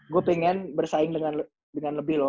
gue pengen bersaing dengan lebih loh